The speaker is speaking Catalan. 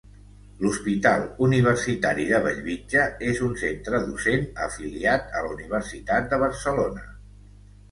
L'Hospital Universitari de Bellvitge és un centre docent afiliat a la Universitat de Barcelona.